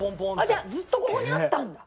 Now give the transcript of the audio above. じゃあずっとここにあったんだ。